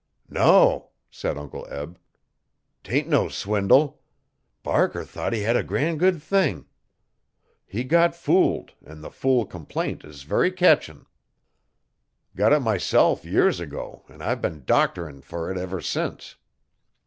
'No,' said Uncle Eb, ''tain't no swindle. Barker thought he hed a gran' good thing. He got fooled an' the fool complaint is very ketchin'. Got it myself years ago an' I've been doctorin' fer it ever sence.